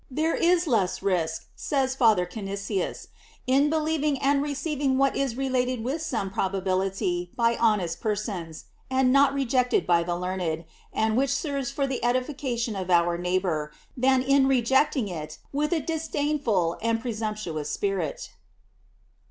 There is less risk, says Father Canisius, in believing and receiving what is re lated with some probability by honest persons, and not rejected by the learned, and which serves for the edification of our neighbor, than in rejecting it with a disdainful and presumptuous spirit.